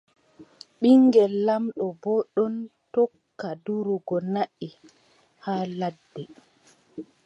Ɓiŋngel laamɗo boo ɗon tokka durugo naʼi haa ladde.